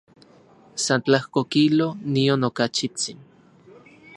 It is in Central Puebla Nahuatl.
San tlajko kilo, nion okachitsin.